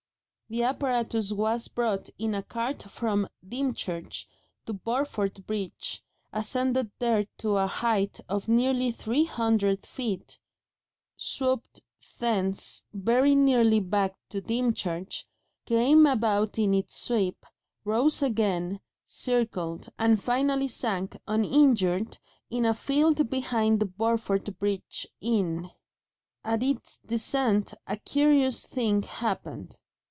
The apparatus was brought in a cart from Dymchurch to Burford Bridge, ascended there to a height of nearly three hundred feet, swooped thence very nearly back to Dymchurch, came about in its sweep, rose again, circled, and finally sank uninjured in a field behind the Burford Bridge Inn. At its descent a curious thing happened.